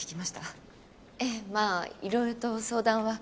ええまあいろいろと相談は。